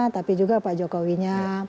tapi juga pak jokowi nya